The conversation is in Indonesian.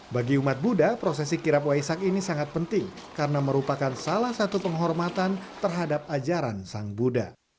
bagi umat buddha prosesi kirap waisak ini sangat penting karena merupakan salah satu penghormatan terhadap ajaran sang buddha